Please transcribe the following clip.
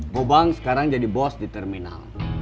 gobang sekarang jadi bos di terminal